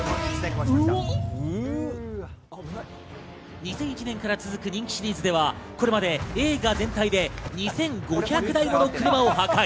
２００１年から続く人気シリーズでは、これまで映画全体で２５００台もの車を破壊。